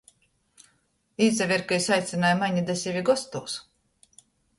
Izaver, ka jis aicynoj mani da seve gostūs...